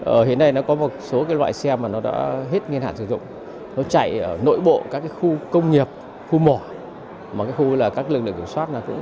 ở hiện nay nó có một số cái loại xe mà nó đã hết niên hạn sử dụng nó chạy ở nội bộ các cái khu công nghiệp khu mỏ mà cái khu là các lực lượng kiểm soát